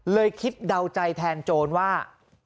คิดเดาใจแทนโจรว่า